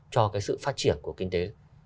cho cái sự phát triển của kinh tế